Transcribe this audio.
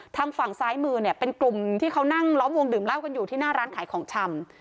ทางฝั่งซ้ายมือเนี่ยเป็นกลุ่มที่เขานั่งล้อมวงดื่มเหล้ากันอยู่ที่หน้าร้านขายของชำ